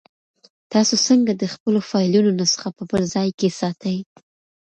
تاسو څنګه د خپلو فایلونو نسخه په بل ځای کې ساتئ؟